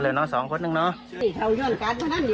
แถวย่อนกันพอนั่นดีละ